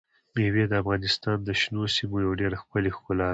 مېوې د افغانستان د شنو سیمو یوه ډېره ښکلې ښکلا ده.